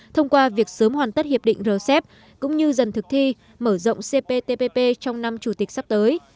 thông qua việc sớm hoàn tất hiệp định rcep cũng như dần thực thi mở rộng cptpp trong năm chủ tịch sắp tới